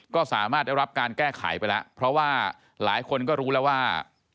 ก็สามารถได้รับการแก้ไขไปแล้วเพราะว่าหลายคนก็รู้แล้วว่า